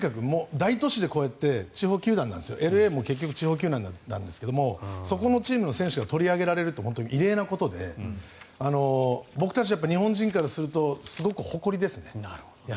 大都市でこうやって地方球団なんですよＬＡも地方球団なんですがそこのチームの選手が取り上げられるのは異例で僕たち日本人からするとすごく誇りですね。